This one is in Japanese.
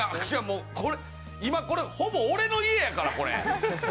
これほぼ俺の家やから。